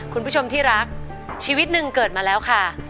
คุณผู้ชมที่รักชีวิตหนึ่งเกิดมาแล้วค่ะ